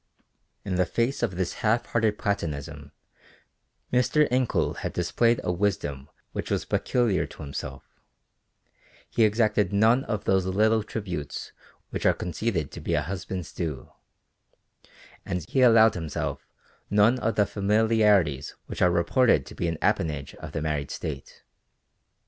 In the face of this half hearted platonism Mr. Incoul had displayed a wisdom which was peculiar to himself; he exacted none of those little tributes which are conceded to be a husband's due, and he allowed himself none of the familiarities which are reported to be an appanage of the married state.